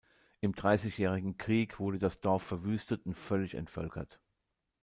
Im Dreißigjährigen Krieg wurde das Dorf verwüstet und völlig entvölkert.